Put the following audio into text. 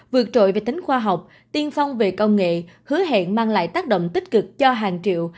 vượt trội về tính khoa học tiên phong về công nghệ hứa hẹn mang lại tác động tích cực cho hàng triệu